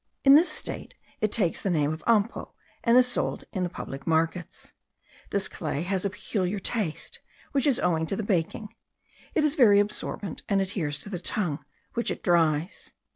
In this state it takes the name of ampo, and is sold in the public markets. This clay has a peculiar taste, which is owing to the baking: it is very absorbent, and adheres to the tongue, which it dries.